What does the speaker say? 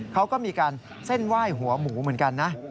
เขาก็มีการเส้นไหว้หัวหมูเหมือนกันนะ